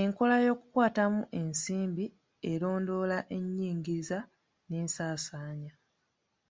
Enkola y'okukwatamu ensimbi erondoola ennyingiza n'ensaasaanya.